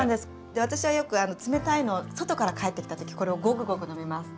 で私はよく冷たいのを外から帰ってきた時これをゴクゴク飲みます。